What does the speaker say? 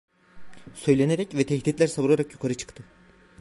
Söylenerek ve tehditler savurarak yukarı çıktı.